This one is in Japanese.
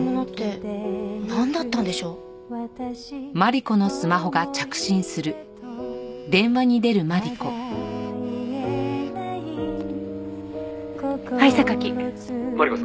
「マリコさん？